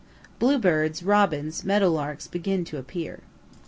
Blue birds, robins, meadow larks begin to appear.